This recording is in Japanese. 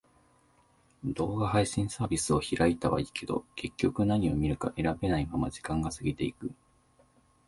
動画配信サービスを開いたはいいけど、結局何を見るか選べないまま時間が過ぎていく。